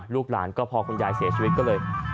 ลูกหลานก็พอคุณยายเสียชีวิตก็เลย